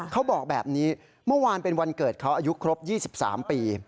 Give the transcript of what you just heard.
เขาบอกแบบนี้เมื่อวานเป็นวันเกิดเขาอายุครบ๒๓ปี